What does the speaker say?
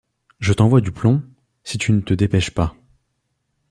Je t’envoie du plomb, si tu ne te dépêches pas...